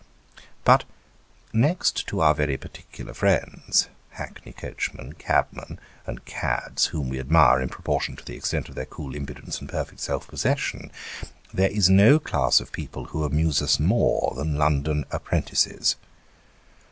But, next to our very particular friends, hackney coachmen, cabmen and cads, whom we admire in proportion to the extent of their cool impudence and perfect self possession, there is no class of people who amuse us more than London apprentices.